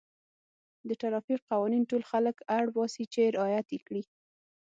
د ټرافیک قوانین ټول خلک اړ باسي چې رعایت یې کړي.